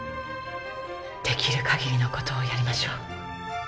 できる限りのことをやりましょう。